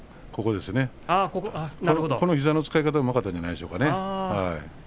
膝の使い方がうまかったんじゃないですか。